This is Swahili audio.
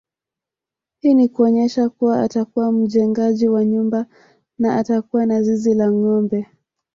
Hii ni kuonyesha kuwa atakuwa mjengaji wa nyumba na atakuwa na zizi la ngombe